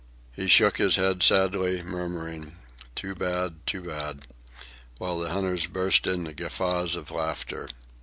He shook his head sadly, murmuring, "Too bad, too bad," while the hunters burst into guffaws of laughter.